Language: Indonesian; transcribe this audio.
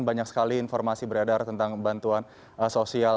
banyak sekali informasi beredar tentang bantuan sosial